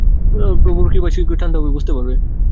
প্রভুর কৃপায় রামদাদা শীঘ্রই ঠাণ্ডা হবে ও বুঝতে পারবে।